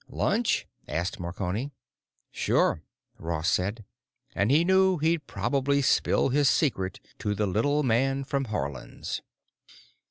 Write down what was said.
"Lunch?" asked Marconi. "Sure," Ross said. And he knew he'd probably spill his secret to the little man from Haarland's.